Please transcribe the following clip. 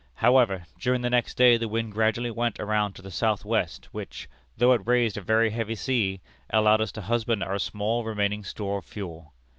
However, during the next day the wind gradually went around to the south west, which, though it raised a very heavy sea, allowed us to husband our small remaining store of fuel.